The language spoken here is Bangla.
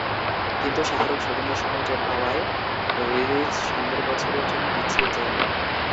কিন্তু শাহরুখ শুটিংয়ের সময় চোট পাওয়ায় রিলিজ সামনের বছরের জন্য পিছিয়ে যায়।